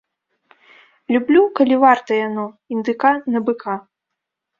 Люблю, калі варта яно, індыка на быка.